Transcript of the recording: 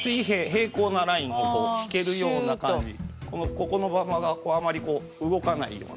ここの間があまり動かないような。